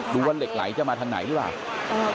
ว่าเหล็กไหลจะมาทางไหนหรือเปล่า